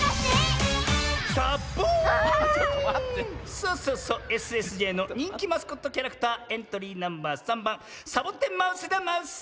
そうそうそうＳＳＪのにんきマスコットキャラクターエントリーナンバー３ばんサボテンマウスだマウス。